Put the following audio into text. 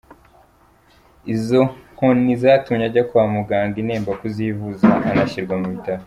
Izo nkoni zatumye ajya kwa muganga i Nemba kuzivuza anashyirwa mu bitaro.